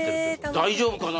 大丈夫かな